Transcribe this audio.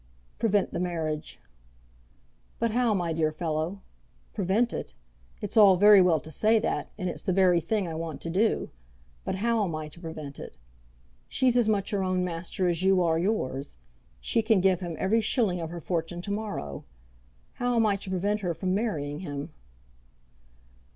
"Prevent the marriage." "But how, my dear fellow? Prevent it! It's all very well to say that, and it's the very thing I want to do. But how am I to prevent it? She's as much her own master as you are yours. She can give him every shilling of her fortune to morrow. How am I to prevent her from marrying him?"